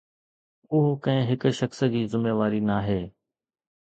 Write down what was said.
اهو ڪنهن هڪ شخص جي ذميواري ناهي.